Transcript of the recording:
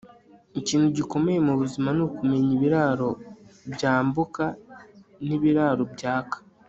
Ikintu kigoye mubuzima nukumenya ibiraro byambuka nibiraro byaka